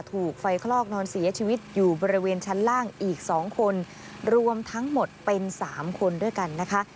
ถูกไฟคลอกนอนเสียชีวิตอยู่บริเวณชั้นล่างอีก๒คนรวมทั้งหมดเป็น๓คนด้วยกันนะคะ